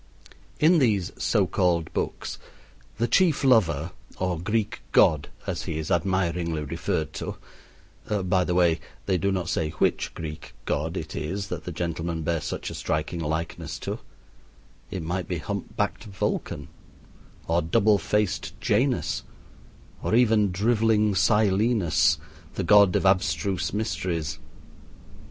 In these so called books, the chief lover, or Greek god, as he is admiringly referred to by the way, they do not say which "Greek god" it is that the gentleman bears such a striking likeness to; it might be hump backed Vulcan, or double faced Janus, or even driveling Silenus, the god of abstruse mysteries.